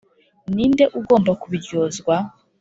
Ni nde ugomba kubiryozwa